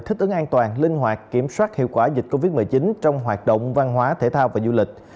thích ứng an toàn linh hoạt kiểm soát hiệu quả dịch covid một mươi chín trong hoạt động văn hóa thể thao và du lịch